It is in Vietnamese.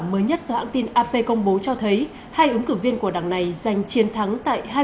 mới nhất do hãng tin ap công bố cho thấy hai ứng cử viên của đảng này giành chiến thắng tại hai